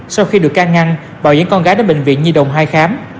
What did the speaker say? sau khi được ca ngăn bảo dẫn con gái đến bệnh viện nhi đồng hai khám